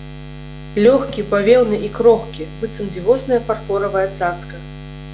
Лёгкі, павеўны і крохкі, быццам дзівосная фарфоравая цацка.